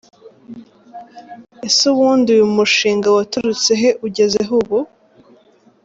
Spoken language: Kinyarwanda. Ese ubundi uyu mushinga waturutse he? ugeze he ubu ?.